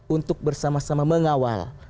untuk bersama sama mengawal